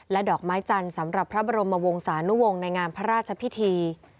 ดอกไม้จันทร์สำหรับพระบรมวงศานุวงศ์ในงานพระราชพิธี